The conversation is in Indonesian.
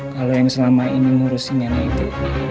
kalo yang selama ini ngurus si nenek itu